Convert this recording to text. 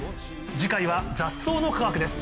次回は雑草の科学です。